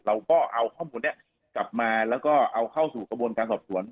เราก็เอาข้อมูลนี้กลับมาแล้วก็เอาเข้าสู่กระบวนการสอบสวน